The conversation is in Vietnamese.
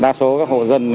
đa số các hộ dân